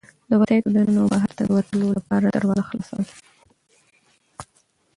د وسایطو د ننه او بهرته د وتلو لپاره دروازه خلاصول.